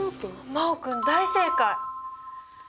真旺君大正解！